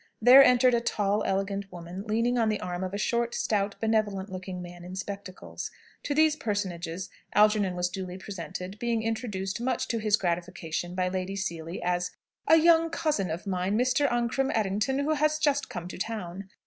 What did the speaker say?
There entered a tall, elegant woman, leaning on the arm of a short, stout, benevolent looking man in spectacles. To these personages Algernon was duly presented, being introduced, much to his gratification, by Lady Seely, as "A young cousin of mine, Mr. Ancram Errington, who has just come to town."